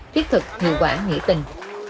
thiết thực hiệu quả nghĩa tình